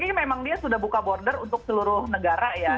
ini memang dia sudah buka border untuk seluruh negara ya